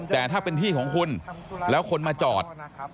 แต่ถ้าเป็นที่ของคุณแล้วคนมาจอด